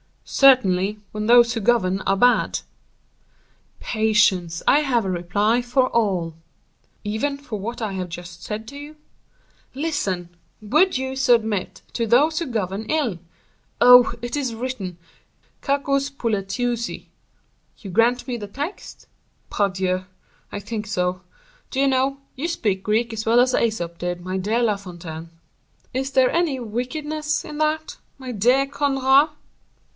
"Certainly, when those who govern are bad." "Patience, I have a reply for all." "Even for what I have just said to you?" "Listen! would you submit to those who govern ill? Oh! it is written: Cacos politeuousi. You grant me the text?" "Pardieu! I think so. Do you know, you speak Greek as well as Aesop did, my dear La Fontaine." "Is there any wickedness in that, my dear Conrart?"